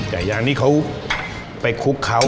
ไก่ย่างนี้เค้าไปคลุกเค้า